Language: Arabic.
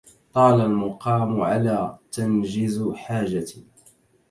طال المقام على تنجز حاجة